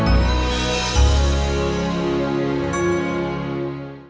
iya sebentar lagi ya sebentar lagi ya sebentar lagi tangsi dan janjir mas ah hai hai hai hai